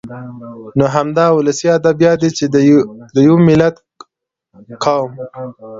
نو همدا ولسي ادبيات دي چې د يوه ملت ، قوم